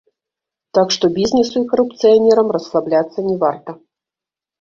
Так што бізнесу і карупцыянерам расслабляцца не варта.